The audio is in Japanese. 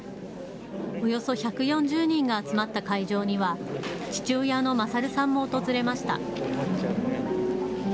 およそ１４０人が集まった会場には父親の賢さんも訪れました。